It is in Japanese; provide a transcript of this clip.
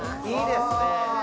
いいですね。